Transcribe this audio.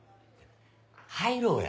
入ろうや。